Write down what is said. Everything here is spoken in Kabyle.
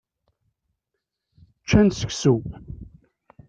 Ččan seksu.